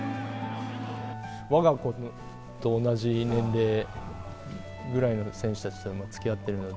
我が子と同じぐらいの年齢の選手たちとつきあっているので